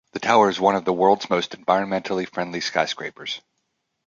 The Tower is one of the world's most environmentally friendly skyscrapers.